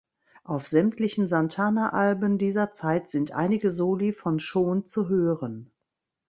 Auf sämtlichen Santana-Alben dieser Zeit sind einige Soli von Schon zu hören.